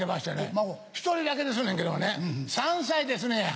１人だけですねんけどね３歳ですねや。